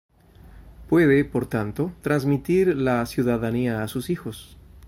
Puede, por tanto, transmitir la ciudadanía a sus hijos.